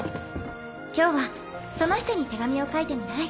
今日はその人に手紙を書いてみない？